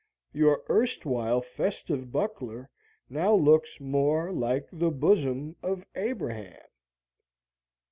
Your erstwhile festive buckler now looks more like the bosom of Abraham.